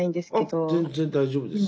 あっ全然大丈夫です。